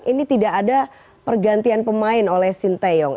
ini tidak ada pergantian pemain oleh sinteyong